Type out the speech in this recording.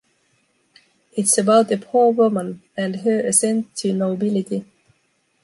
It’s about a poor woman and her ascent to nobility.